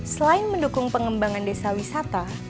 selain mendukung pengembangan desa wisata